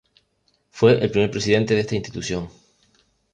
Fue el primer presidente de esta institución.